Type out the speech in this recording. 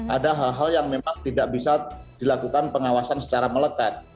ada hal hal yang memang tidak bisa dilakukan pengawasan secara melekat